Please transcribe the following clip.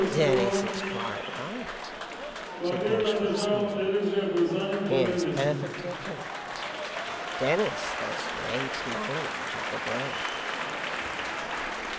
'Dennis is quite right,' said Gashford, smoothly. 'He is perfectly correct. Dennis has great knowledge of the world.